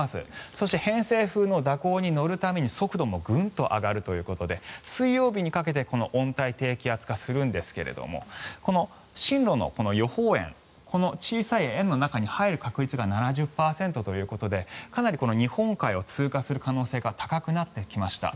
そして偏西風の蛇行に乗るために速度もグンと上がるということで水曜日にかけて温帯低気圧化するんですが進路の予報円小さい円の中に入る確率が７０％ということでかなり日本海を通過する可能性が高くなってきました。